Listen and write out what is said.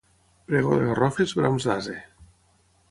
Pregó de garrofes, brams d'ase.